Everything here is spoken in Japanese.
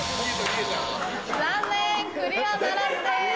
残念クリアならずです。